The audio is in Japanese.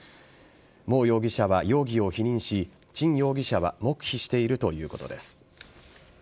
モウ容疑者は容疑を否認しチン容疑者は黙秘しているということです。